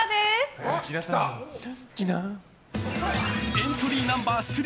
エントリーナンバー３。